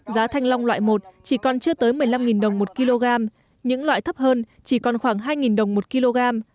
giá thanh long loại một chỉ còn chưa tới một mươi năm đồng một kg những loại thấp hơn chỉ còn khoảng hai đồng một kg